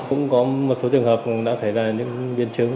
cũng có một số trường hợp đã xảy ra những biến chứng